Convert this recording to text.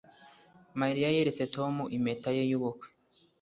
Mariya yeretse Tom impeta ye yubukwe